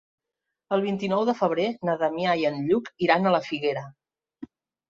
El vint-i-nou de febrer na Damià i en Lluc iran a la Figuera.